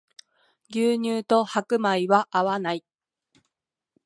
牛乳と白米は合わない